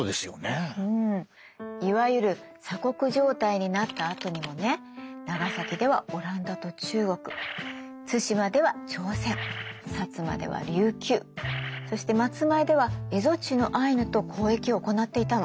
いわゆる鎖国状態になったあとにもね長崎ではオランダと中国対馬では朝鮮摩では琉球そして松前では蝦夷地のアイヌと交易を行っていたの。